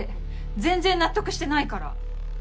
全然納得してないから。